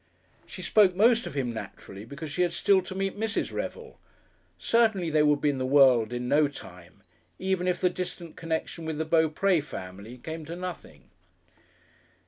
She spoke most of him naturally because she had still to meet Mrs. Revel.... Certainly they would be in the world in no time, even if the distant connection with the Beaupres family came to nothing.